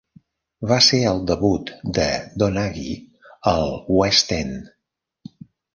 Va ser el debut de Donaghy al West End.